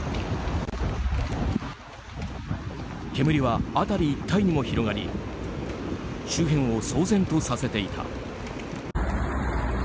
煙は辺り一帯にも広がり周辺を騒然とさせていた。